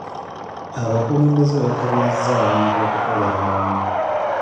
Abakulembeze bakubirizza abantu okukolera awamu.